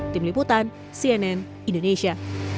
tim liputan cnn indonesia